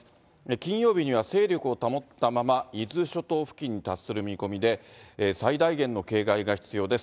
金曜日には、勢力を保ったまま、伊豆諸島付近に達する見込みで、最大限の警戒が必要です。